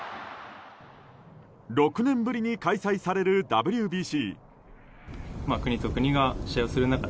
６年ぶりに開催されるＷＢＣ。